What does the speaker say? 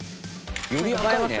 より赤いね。